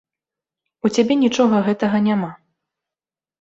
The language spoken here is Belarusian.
У цябе нічога гэтага няма.